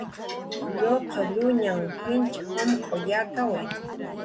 Lluqalluñanhn jich jumq'w yakawi